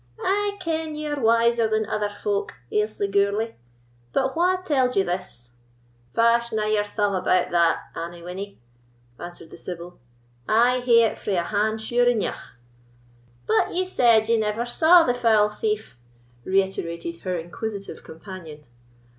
"I ken ye are wiser than ither folk, Aislie Gourlay. But wha tell'd ye this?" "Fashna your thumb about that, Annie Winnie," answered the sibyl, "I hae it frae a hand sure eneugh." "But ye said ye never saw the foul thief," reiterated her inquisitive companion.